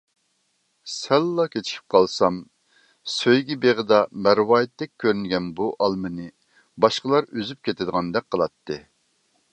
سەللا كېچىكىپ قالسام سۆيگۈ بېغىدا، مەرۋايىتتەك كۆرۈنگەن بۇ ئالمىنى باشقىلا ئۈزۈپ كېتىدىغاندەك قىلاتتى.